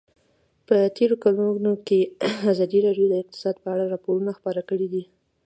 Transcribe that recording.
په تېرو کلونو کې ازادي راډیو د اقتصاد په اړه راپورونه خپاره کړي دي.